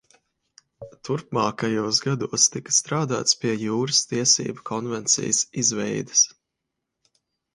Turpmākajos gados tika strādāts pie Jūras tiesību konvencijas izveides.